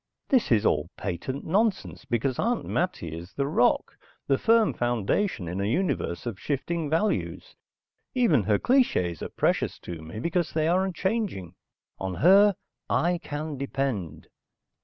This is all patent nonsense because Aunt Mattie is the rock, the firm foundation in a universe of shifting values. Even her clichés are precious to me because they are unchanging. On her, I can depend.